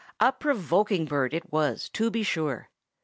A provoking bird it was, to be sure!